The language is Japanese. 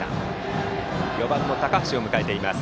４番の高橋を迎えています。